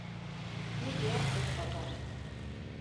Нигӧат ок пагале.